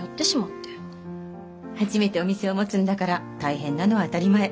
初めてお店を持つんだから大変なのは当たり前。